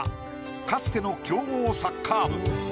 かつての強豪サッカー部。